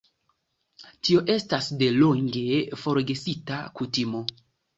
Tio estas delonge forgesita kutimo.